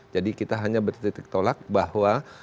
jadi kita hanya berdetik tolak bahwa